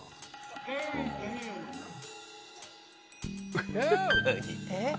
えっ。